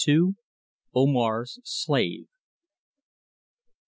OMAR'S SLAVE.